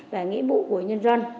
và nghĩa vụ của nhân dân